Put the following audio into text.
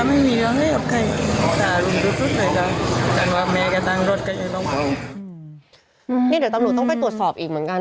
เดี๋ยวตำรวจต้องไปตรวจสอบอีกเหมือนกัน